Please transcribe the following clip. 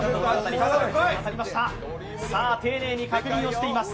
丁寧に確認しています。